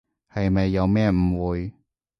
係咪有咩誤會？